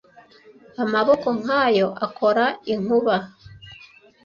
Amaboko nkayo akora inkuba